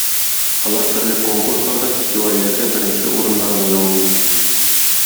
Алар төрле конкурсларда, фестивальләрдә беренче урыннарны яулый.